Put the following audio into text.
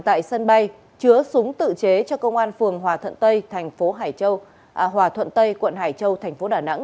tại sân bay chứa súng tự chế cho công an phường hòa thuận tây tp hải châu hòa thuận tây quận hải châu tp đà nẵng